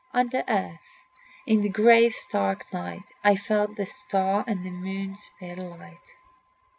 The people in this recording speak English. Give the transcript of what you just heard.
Under earth, in the grave's stark night, I felt the stars and the moon's pale light.